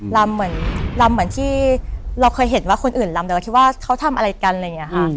ลำเหมือนลำเหมือนที่เราเคยเห็นว่าคนอื่นลำแต่เราคิดว่าเขาทำอะไรกันอะไรอย่างนี้ค่ะ